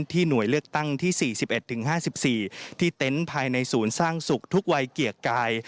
หน่วยเลือกตั้งที่๔๑๕๔ที่เต็นต์ภายในศูนย์สร้างสุขทุกวัยเกียรติกาย